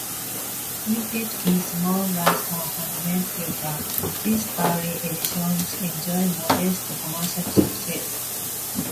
Printed in small runs on handmade paper, these early editions enjoyed modest commercial success.